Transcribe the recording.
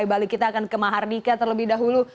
balik kita akan ke mahardika terlebih dahulu